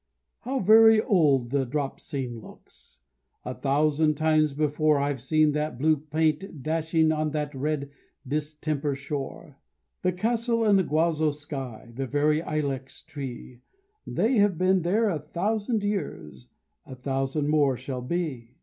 How very old the drop scene looks! A thousand times before I've seen that blue paint dashing on that red distemper shore; The castle and the guazzo sky, the very ilex tree, They have been there a thousand years, a thousand more shall be.